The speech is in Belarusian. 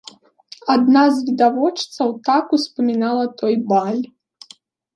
Адна з відавочцаў так успамінала той баль.